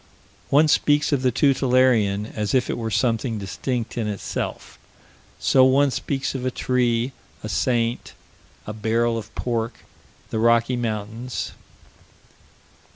One speaks of the tutelarian as if it were something distinct in itself. So one speaks of a tree, a saint, a barrel of pork, the Rocky Mountains.